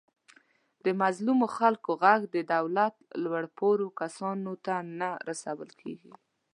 د مظلومو خلکو غږ د دولت لوپوړو کسانو ته نه ورسول کېږي.